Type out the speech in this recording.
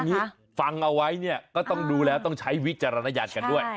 อันนี้ฟังเอาไว้เนี่ยก็ต้องดูแล้วต้องใช้วิจารณญาณกันด้วย